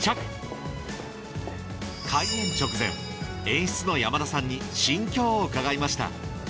演出の山田さんに心境を伺いました